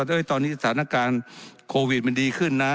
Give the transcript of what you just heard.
ตอนนี้สถานการณ์โควิดมันดีขึ้นนะ